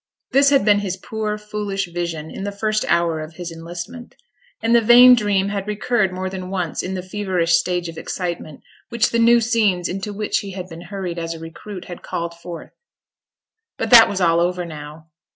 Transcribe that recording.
This had been his poor, foolish vision in the first hour of his enlistment; and the vain dream had recurred more than once in the feverish stage of excitement which the new scenes into which he had been hurried as a recruit had called forth. But that was all over now.